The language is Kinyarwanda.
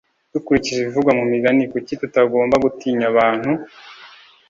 Dukurikije ibivugwa mu Migani kuki tutagomba gutinya abantu